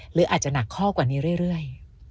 หรืออาจจะหนักข้อกว่านี้เรื่อย